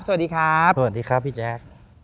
สวัสดีครับสวัสดีครับพี่แจ๊ค